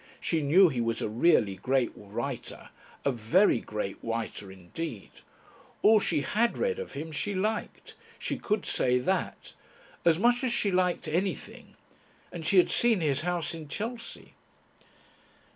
She knew he was a Really Great Writer, a very Great Writer indeed. All she had read of him she liked. She could say that. As much as she liked anything. And she had seen his house in Chelsea.